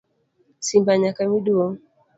Simba nyaka mi duong.